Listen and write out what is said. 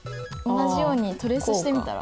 同じようにトレースしてみたら？